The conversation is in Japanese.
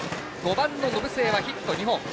５番の延末はヒット２本。